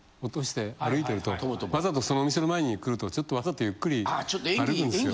わざとそのお店の前に来るとちょっとわざとゆっくり歩くんですよ。